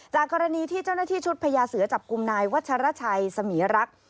กรณีที่เจ้าหน้าที่ชุดพญาเสือจับกลุ่มนายวัชรชัยสมีรักษ์